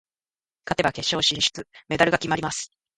勝てば決勝進出、メダルが決まります。